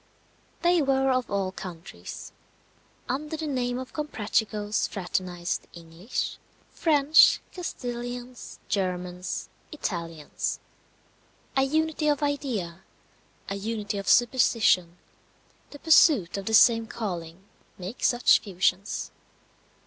They were of all countries. Under the name of Comprachicos fraternized English, French, Castilians, Germans, Italians. A unity of idea, a unity of superstition, the pursuit of the same calling, make such fusions.